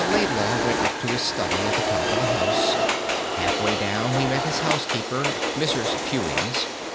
Laidlaw went up to his study at the top of the house. Half way down he met his housekeeper, Mrs. Fewings.